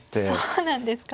そうなんですか。